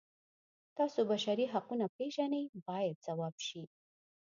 تاسو بشري حقونه پیژنئ باید ځواب شي.